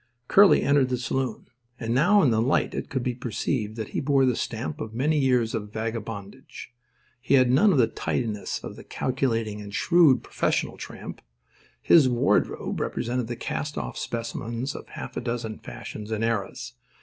Curly entered the saloon. And now in the light it could be perceived that he bore the stamp of many years of vagabondage. He had none of the tidiness of the calculating and shrewd professional tramp. His wardrobe represented the cast off specimens of half a dozen fashions and eras.